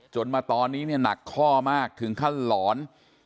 มาตอนนี้เนี่ยหนักข้อมากถึงขั้นหลอน